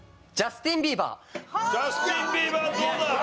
ジャスティン・ビーバーどうだ？